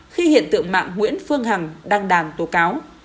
khi hiện tượng mạng nguyễn phương hằng đăng đàn tố cáo